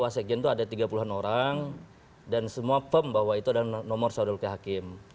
wassekjen itu ada tiga puluh an orang dan semua pembawa itu adalah nomor saudara luki hakim